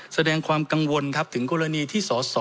แสดงความกังวลครับถึงกรณีที่ส๔๕๓๐๐๖๐๐๗